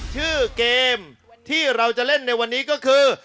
ชื่อเกมที่เราจะเล่นในวันนี้ก็คือ